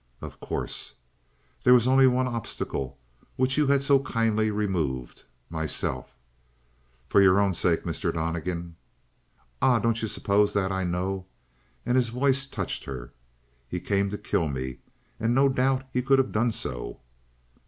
"Of course." "There was only one obstacle which you had so kindly removed myself." "For your own sake, Mr. Donnegan." "Ah, don't you suppose that I know?" And his voice touched her. "He came to kill me. And no doubt he could have done so."